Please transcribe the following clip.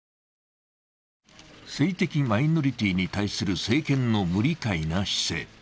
性的マイノリティーに対する政権の無理解な姿勢。